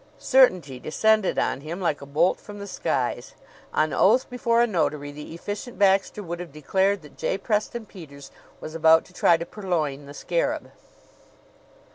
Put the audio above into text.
Certainty descended on him like a bolt from the skies. On oath, before a notary, the Efficient Baxter would have declared that J. Preston Peters was about to try to purloin the scarab.